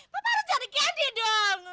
pa baru cari candy dong